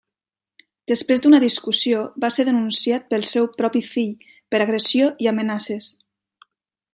Després d'una discussió, va ser denunciat pel seu propi fill per agressió i amenaces.